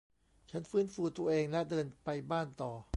ฉันฟื้นฟูตัวเองและเดินไปบ้านต่อ